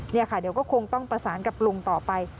นี่ค่ะเดี๋ยวก็คงต้องประสานกับลุงต่อไป